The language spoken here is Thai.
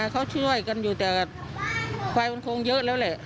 เขาช่วยกันอยู่แต่ควายมันคงเยอะแล้วแหละ